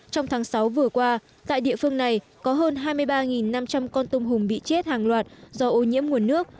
trong tháng sáu vừa qua tại địa phương này có hơn hai mươi ba năm trăm linh con tôm hùm bị chết hàng loạt do ô nhiễm nguồn nước